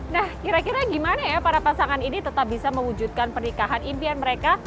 nah kira kira gimana ya para pasangan ini tetap bisa mewujudkan pernikahan impian mereka